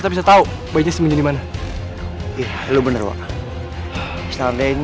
tapi saya akan tetap cari bukti perselingkuhan